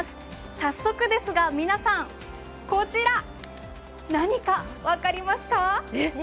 早速ですが、皆さん、こちら、何か分かりますか？